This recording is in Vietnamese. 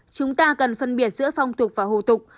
chúng ta cần phân biệt giữa phong tục và hủ tục